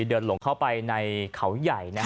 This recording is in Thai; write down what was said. หลงเข้าไปในเขาใหญ่